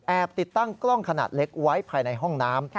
ติดตั้งกล้องขนาดเล็กไว้ภายในห้องน้ำ